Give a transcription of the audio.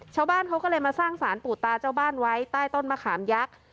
ชาวบ้านเขาก็เลยมาสร้างสารปู่ตาเจ้าบ้านไว้ใต้ต้นมะขามยักษ์